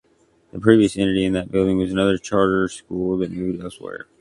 The previous entity in that building was another charter school that moved elsewhere.